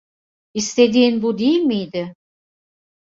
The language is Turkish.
İstediğin bu değil miydi?